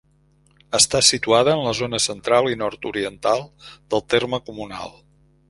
Està situada en la zona central i nord-oriental del terme comunal.